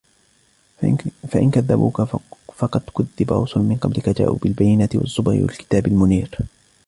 فإن كذبوك فقد كذب رسل من قبلك جاءوا بالبينات والزبر والكتاب المنير